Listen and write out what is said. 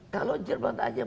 kalau jerman saja